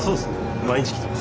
毎日来てます。